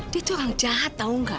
dia tuh orang jahat tahu nggak